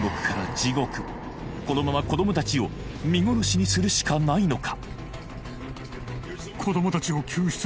地獄このまま子ども達を見殺しにするしかないのか？